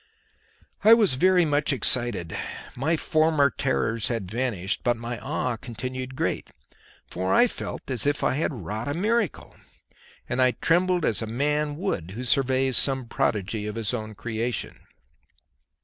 I was very much excited; my former terrors had vanished, but my awe continued great, for I felt as if I had wrought a miracle, and I trembled as a man would who surveys some prodigy of his own creation.